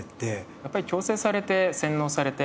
やっぱり強制されて洗脳されて。